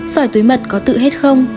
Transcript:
sỏi túi mật có tự hết không